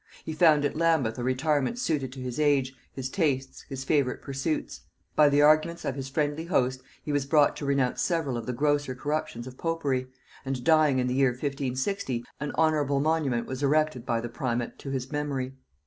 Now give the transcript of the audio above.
He found at Lambeth a retirement suited to his age, his tastes, his favorite pursuits; by the arguments of his friendly host he was brought to renounce several of the grosser corruptions of popery; and dying in the year 1560, an honorable monument was erected by the primate to his memory.